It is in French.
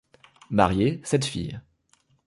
Marié, sept filles.